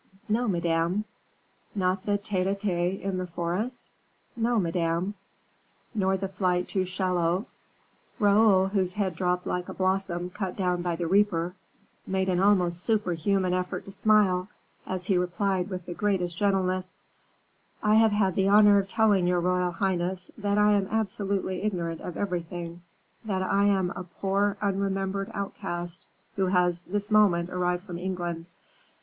"No, Madame." "Not the tete a tete in the forest?" "No, Madame." "Nor the flight to Chaillot?" Raoul, whose head dropped like a blossom cut down by the reaper, made an almost superhuman effort to smile, as he replied with the greatest gentleness: "I have had the honor of telling your royal highness that I am absolutely ignorant of everything, that I am a poor unremembered outcast, who has this moment arrived from England.